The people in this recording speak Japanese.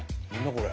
これ。